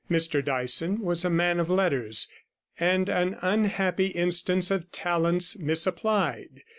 Mr Dyson was a man of letters, and an unhappy instance of talents misapplied.